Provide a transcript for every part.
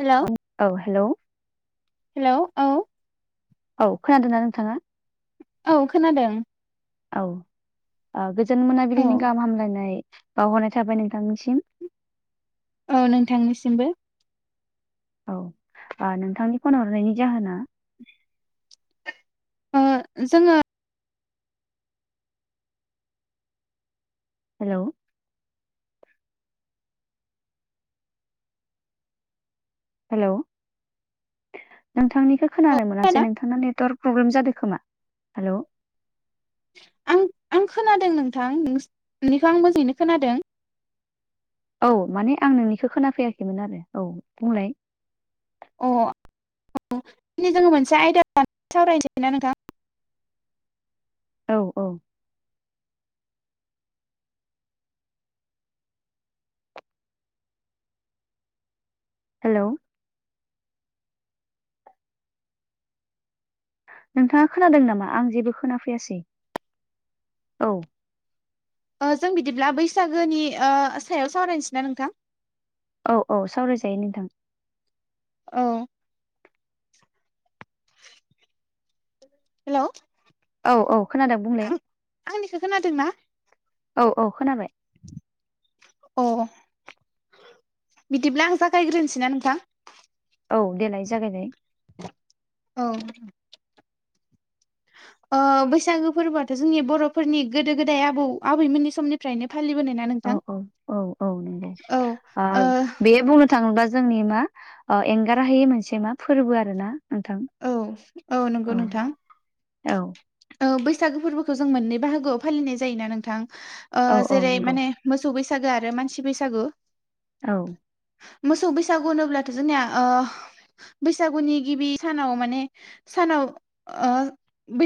हेल' औ hello hello औ औ खोनादों ना नोंथाङा? औ खोनादों औ गोजोन औ मोनाबिलिनि गाहाम हामलायनाय बावहरनाय थाबाय नोंथांनिसिम औ नोंथांनिसिमबो औ नोंथांनि फन हरनायनि जाहोना ओ जोङो हेलौ हेलौ नोंथांनिखौ खोनानो मोनासै खोनादों नोंथांना नेटवार्क प्रब्लेम जादों खोमा हेलौ आं आं खोनादों नोंथां नोंनिखौ आं मोजाङैनो खोनादों औ माने आं नोंनिखौ खोनाफैयाखैमोन आरो औ बुंलाय अ जोङो मोनसे आयदा लानानै सावरायनोसै ना नोंथां औ औ हेलौ नोंथाङा खोनादों नामा आं जेबो खोनाफैयासै औ ओ जों बिदिब्ला बैसागोनि ओ सायाव सावरायनोसै ना नोंथां औ औ सावरायजायो नोंथां औ हेलौ औ औ खोनादों बुंलाय आं आंनिखौ खोनादोंना औ औ खोनाबाय अ बिदिब्ला आं जागायग्रोनोसै ना नोंथां औ देलाय जागायनायाय औ बैसागो फोरबोआथ' जोंनि बर'फोरनि गोदो गोदाय आबौ आबैमोननि समनि फ्रायनो फालिबोनाय ना औ नोंथां औ औ औ औ थाङोबा जोंनि मा ओ एंगार हायि मोनसे मा फोरबो आरो ना नोंथां औ नंगौ औ नोंथां औ बैसागो फोरबोखौ जों मोननै बाहागोयाव फालिनाय जायोना नोंथां औ जेरै नंगौ माने मोसौ बैसागो आरो मानसि बैसागु औ मोसौ बैसागु होनोब्लाथ' जोंनिया ओ बैसागुनि गिबि सानाव माने सानाव ओ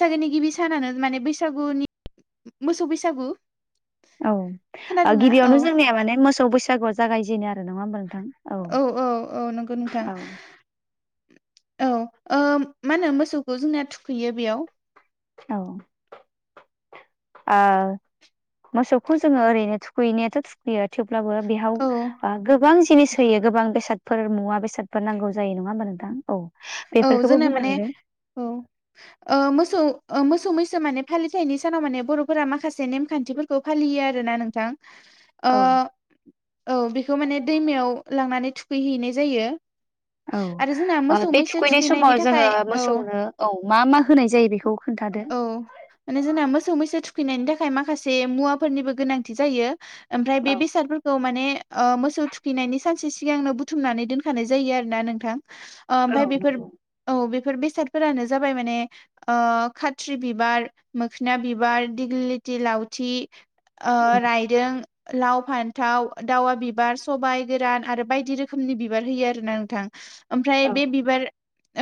बैसागोनि गिबि सानानो माने बैसागुनि मोसौ बैसागु औ खोनादोंना औ गिबियावनो जोंनिया माने मोसौ बैसागुआव जागायजेनो आरो नङा होमबा नोंथां औ औ औ नंगौ नोंथां औ औ मा होनो मोसौखौ जोंनाया थुखैयो बेयाव औ ओ मोसौखौ जोङो ओरैनो थुखैनायाथ' थुखै यो थेवब्लाबो बेयाव औ गोबां जिनिस होयो गोबां बेसाद फोर मुवा बेसादफोर नांगौ जायो नङा होमबा नोंथां औ औ बेफोरखौबो जोंना माने बुंलांदो औ मोसौ मोसौ मैसो माने फालिथायाइनि सानाव माने बर'फोरा माखासे नेमखानथिफोर खौ फालियो आरोना नोंथां ओ औ औ बेखौ माने दैमायाव लांनानै थुखैहैनाय जायो औ आरो जोंना ओ मोसौ बे मैसो थुखैनाय समाव थुखैनायनि थाखाय जोङो औ मोसौनो औ मा मा होनाय जायो बेखौ खोन्थादो औ माने जोंना मोसौ मैसो थुखैनायनि थाखाय माखासे मुवाफोरनिबो गोनांथि जायो ओमफ्राय औ बे बेसादफोरखौ माने ओ मोसौ थुखैनायनि सानसे सिगांनो बुथुमनानै दोनखानाय जायो आरो ना नोंथां औ ओमफ्राय बेफोर नंगौ औ बेफोर बेसादफोरानो जाबाय माने आ खाथ्रि बिबार मोखोना बिबार दिग्लि लिथि लावथि उम, रायदों लाव फान थाव दाावा बिबार सबाइ गोरान आरो बायदि रोखोमनि बिबार होयो आरो ना नोंथां औ ओमफ्राय बे बिबार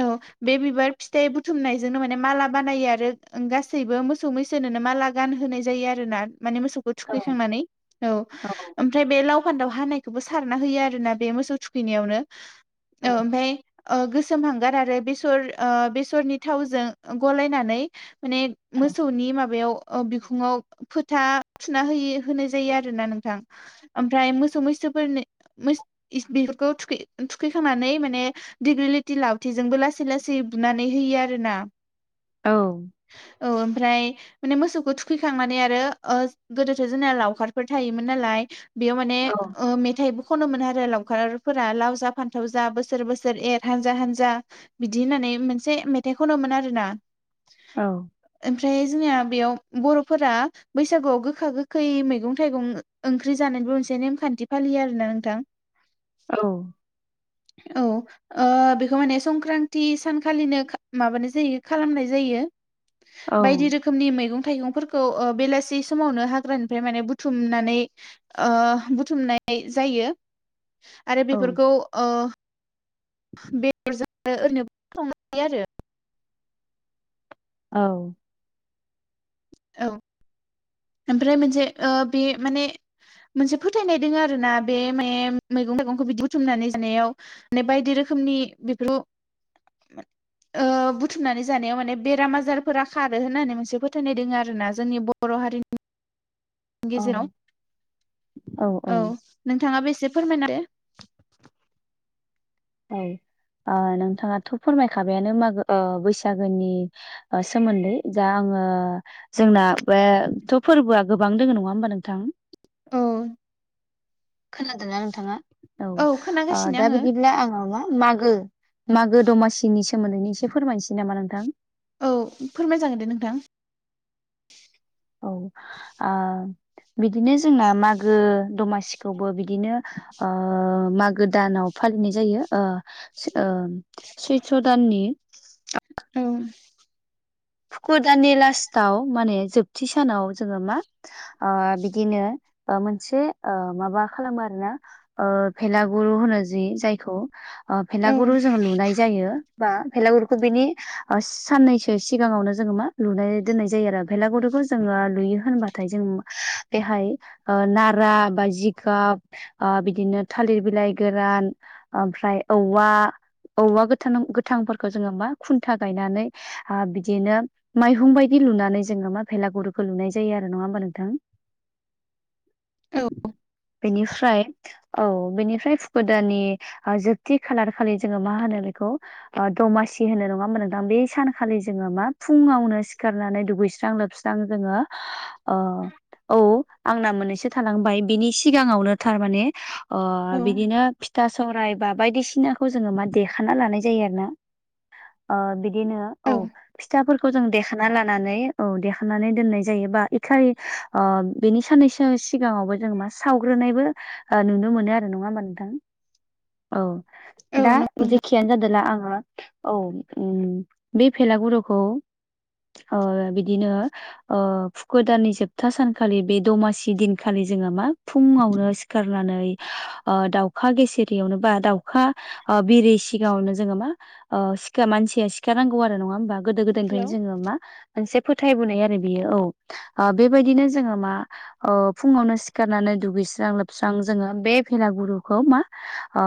औ बे बिबार फिथाइ बुथुमनाय बेजोंनो माने माला बानायो आरो गासैबो मोसौ मैसोनोनो माला गानहोनाय जायो आरोना माने मो सौबो औ थुखैखांनानै औ ओमफ्राय बे लाव फान्थाव हानायखौबो सारना होयो आरोना बे मोसौ थुखैनायावनो औ ओमफ्राय गोसोमहांगार आरो बेसर बेसरनि थावजों गलायनानै माने मोसौनि माबायाव बिखुङाव फोथा थुना होयो होनाय जायो आरोना नोंथां ओमफ्राय मोसौ मैसोफोरनि बेफोरखौ थुखै थुखैखांनानै माने डिग्लिटि लावथिजोंबो लासै लासै बुनानै होयो आरोना औ औ ओमफ्राय माने मोसौखौ थुखैखांनानै आरो गोदोथ' जोंना लावखारफोर थायोमोन नालाय बेयाव माने औ मेथाइबो खनो मोन आरो लावखारफोरा लाव जा फान्थाव जा बोसोर बोसोर एर हानजा हानजा बिदि होननानै मोनसे मेथाइ खनोमोन आरोना औ ओमफ्राय जोंनिया बेयाव बर'फोरा बैसागुआव गोखा गोखै मैगं थाइगं ओंख्रि जानायबो मोनसे नेमखान्थि फालियो आरोना नोंथां [inaudible] औ औ बेखौ माने संक्रान्ति सानखालिनो माबानाय जायो खालामनाय जायो बायदि रोख - रोखोमनि मैगं थाइगंफोरखौ बेलासि समावनो हाग्रानिफ्राय माने बुथुमनानै बुथुमनाय जायो आरो बेफोरखौ बेदर [unintelligible] ओरैनो सङोनो आरो औ औ ओमफ्राय मोनसे बे माने मोनसे फोथायनाय दङ आरो ना बे माने मैगं थाइगंखौ बिदि बुथुमनानै जानायाव म बायदि रोखोमनि बेफोराव बुथुमनानै जानायाव माने बेराम आजारफोरा खारो होननानै मोनसे फोथायनाय दोङो आरो आरोना जोंनि बर' हारिनि गेजेराव औ नोंथाङाबो एसे फोरमायना होदो औ नोंथाङाथ' फोरमायखाबायानो मागो बैसागोनि सोमोन्दै जा आङो जोंना बेथ' फोरबोआ गोबां दोङो नङा होमबा नोंथां औ खोनादोंना नोंथाङा औ दा बिदिब्ला आङो मा मागो मागो दमासिनि सोमोन्दैनो एसे फोरमायनोसै नामा नोंथां औ फोरमाय जागोन दे नोंथां औ आ बिदिनो जोंना मागो दमासिखौबो बिदिनो मागो दानाव फालिनाय जायो सैथ्र दाननि औ गोदाननि लास्टाव माने जोबथि सानाव जोङो मा बिदिनो मोनसे माबा खालामो आरोना ओभेलागुरु होनो जि जायखौ औ भेलागुरु जोङो लुनाय जायो बा भेलागुरुखौ बिनि साननैसो सिगाङावनो जोङो मा लुनाय दोननाय जायो आरो भेलागुरखौ जोङो लुयो होनबाथाय जों बेहाय ओ नारा बा जिगाब ओ बिदिनो थालिर बिलाइ गोरान ओमफ्राय औवा औवा गोथां नां गोथांफोरखौ जोङो मा खुन्था गायनानै आ बिदिनो माइहुं बायदि लुनानै जोङो मा भेलागुरखौ लुनाय जायो आरो नङा होमबा नोंथां बेनिफ्राय औ बेनिफ्राय फुकु दाननि ओ जोबथि खालार खालि जोङो मा होनो बेखौ ओ दमासि होनो नङा होमबा नोंथां बे सान खालि जोङो मा फुङावनो सिखारनानै दुगैस्रां लोबस्रां जोङो अ औ आंना मोननैसो थालांबाय बेनि सिगाङावनो थारमाने ओ औ बिदिनो फिथा सौराय बा बायदिसिनाखौ जोङो मा देखाना लानाय जायो आरो ना ओ बिदिनो औ फिथाफोरखौ जों देखाना लानानै औ देखानानै दोननाय जायोबा इखालि ओ बेनि साननैसो सिगाङावबो जों मा सावग्रोनायबो ओ नुनो मोनो आरो नङा होमबा नोंथां औ औ दा नंगौ नोंथां जेखियानो जादोंला आङो औ उम बे भेलागुरुखौ ओ बिदिनो ओ फुको दाननि जोबथा सानखालि बे दमासि दिनखालि जोङो मा फुङावनो सि सिखारनानै ओ दाउखा गेसेेरैयावनो बा दाउखा ओ बिरि सिगाङावनो जोङो मा ओ सिखा मानसिया सि सिखार नांगौ आरो नङा होमबा गोदो गोदायनिफ्रायनो हेल' जोङो मा मोनसे फोथायबोनाय आरो बियो औ। ओ बेबायदिनो जोङो मा ओ फुङावनो सिखारनानै दुगैस्रां लोबस्रां जोङो बे भेलागुरुखौ मा ओ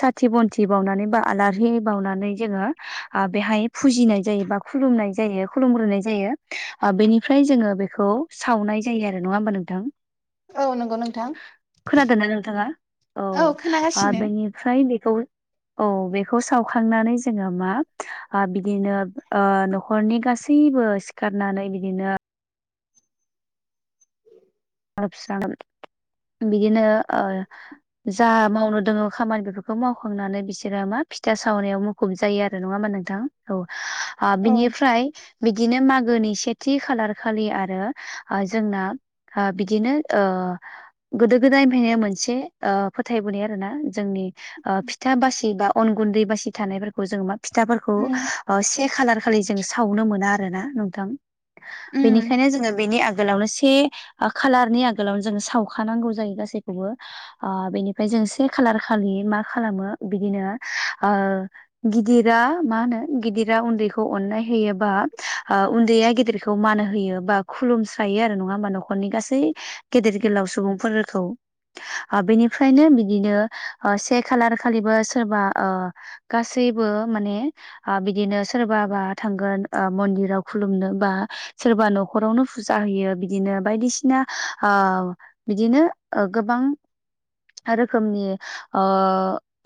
साथि बन्थि बावनानै बा आलारि बावनानै जोङो आ बेहाय फुजिनाय जायो बा खुलुमनाय जायो खुलुमग्रोनाय जायो ओ बेनिफ्राय जोङो बेखौ सावनाय जायो आरो नङा होमबा नोंथां? औ नंगौ नोंथां खोनादोंना नोंथाङा औ ओ बेनि फ्राय बेखौ औ बेखौ सावखांनानै जोङो मा ओ बिदिनो ओ न'खरनि गासैबो सिखारनानै बिदिनो [unintelligible] बिदिनो ओ जा मावनो दङ खामानि बेफोरखौ मावखांनानै बिसोरो मा फिथा सावनायाव मु ‌ खुब जायो आरो नङा होमबा नोंथां औ आ औ बिनिफ्राय बिदिनो मागोनि सेथि खालार खालि आरो ओ जोंना आ बिदिनो ओ गोदो गोदायनिफ्रायनो मोनसे ओ फोथायबोनाय आरो ना जोंनि ओ फिथा बासि बा अन गुन्दै बासि थानायफोरखौ जोङो मा फिथाफोरखौ उम ओ से खालार खालि जों सावनो मोना आरो ना नोंथां उम बेनिखायनो जोङो बेनि आ गोलावनो से ओ खालारनि आगोलावनो जोङो सावखानांगौ जायो गासैखौबो। ओ बेनिफ्राय जों से खालार खालि मा खालामो बिदिनो ओ गिदिरा मा होनो गिदिरा उन्दैखौ अननाय होयोबा ओ उन्दैया गिदिरखौ खौ मान होयो बा खुलुमस्रायो आरो नङा होमबा न'खरनि गासै गेदेर गोलाव सुबुंफोर थौ ओ बेनिफ्रायनो बिदिनो ओ से खालार खालिबो सोरबा ओ गासैबो माने आ बिदिनो सोरबााबा थांगोन ओ मन्दिराव खुलुमनो बा सोरबा न'खरावनो फुजा होयो बिदिनो बायदिसिना ओ बिदिनो ओ गोबां रोखोमनि ओ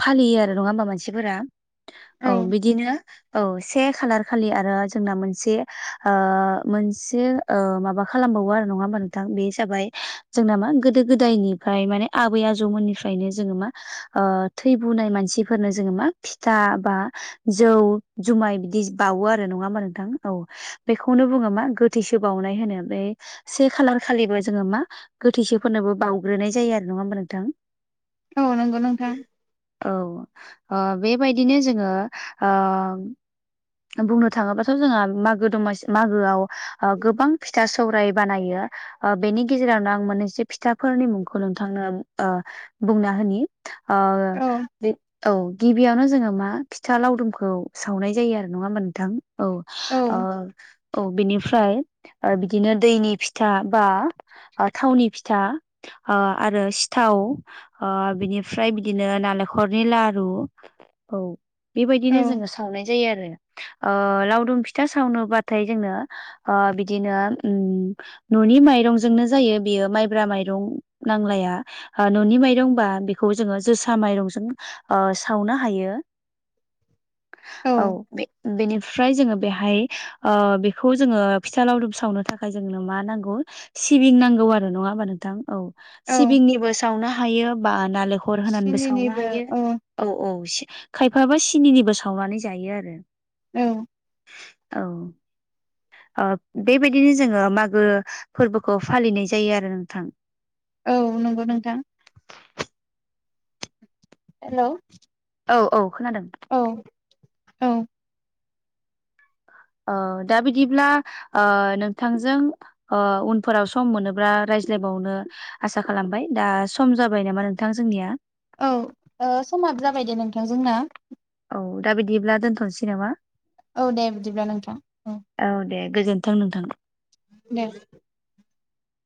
फालियो आरो नङा होमबा मानसिफोरा औ बिदिनो औ से खालार खालि आरो जोंना मोनसे ओ मोनसे ओ माबा खालामबावो आरो नङा होमबा नोंथां बे जाबाय जोंना मा गोदो गोदायनिफ्राय माने आबै आजौमोननिफ्रायनो जोङो मा ओ थैबोनाय मानसिफोरनो जोंङो मा फिथा बा जौ जुमाय बिदि बावो आरो नंङा होनबा नोंथां औ बेखौनो बुंङो मा गोथैसो बावउनाय होनो बे से खालार खालिबो जोंङो मा गोथैसोफोरनोबो बावउग्रोनाय जायो आरो नंङा होमबा नोंथां। औ नंगौ नोंथां। औ ओ बेबायदिनो जोंङो ओ बुंनो थांङोबाथ' जोंहा मागो दमासि मागोआव गोबां फिथा सौराय बानायो बेनि गेजेरावनो आं मोनैसे फिथाफोरनि मुंखौ नोंथांनो ओ बुंना होनि औ ओ औ गिबियावनो जोंङो मा फिथा लावदुमखौ सावनाय जायो आरो नंङा होमबा नोंथां औ औ ओ औ बिनिफ्राय बिदिनो दैनि फिथा बा थावनि फिथा आरो सिथाव बिनिफ्राय बिदिनो नालेंखरनि लारु औ बेबायदिनो औ जोंङो सावनाय जायो आरो लावदुम फिथा सावनोबाथाय जोंनो बिदिनो उम न'नि माइरंजोंनो जायो बेयो माइब्रा माइरं नांलाया न'नि माइरंबा बेखौ जोंङो जोसा माइरंजों ओ सावनो हायो। [inaudible] औ बेनिफ्राय फ्राय जोंङो बेहाय बेखौ जोंङो फिथा लावदुम सावनो थाखाय जोंनो मा नांगौ सिबिं नांगौ आरो नंङा होमबा नोंथां औ औ सिबिंनिबो सावनो हायो बा नालेंखर होनानैबो सावनो हायो। औ औ खायफाबो सिनिनिबो सावनानै जायो आरो औ। औ ओ बेबायदि जोंङो मागो फोरबोखौ फालिनाय जायो आरो नोंथां औ नंगौ नोंथां हेलौ औ औ खोनादों औ औ दा बिदिब्ला नोंथांजों उनफोराव सम मोनोब्ला रायज्लायबावनो आसा खालामबाय दा सम जाबाय नामा नोंथां जोंनिया औ समाबो जाबाय दे नोंथां जोंना औ दा बिदिब्ला दोनथ'नोसै नामा? औ दे बिदिब्ला नोंथां औ दे गोजोन्थों नोंथां दे